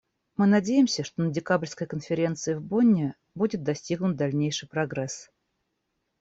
Мы надеемся, что на декабрьской конференции в Бонне будет достигнут дальнейший прогресс.